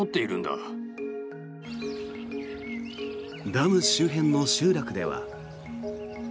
ダム周辺の集落では。